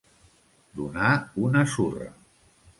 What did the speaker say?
Donar una surra.